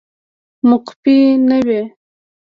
مقفي نه وي